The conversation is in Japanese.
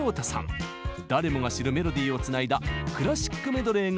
誰もが知るメロディーをつないだクラシック・メドレーが大人気です。